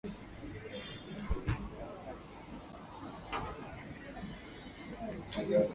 Determine the cost of inventories purchased during the reporting period.